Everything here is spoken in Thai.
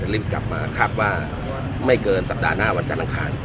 รีบกลับมาคาดว่าไม่เกินสัปดาห์หน้าวันจันทร์อังคาร